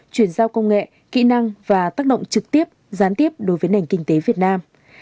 chuyển giao công nghệ kỹ năng và tác động trực tiếp gián tiếp đối với nền kinh tế việt nam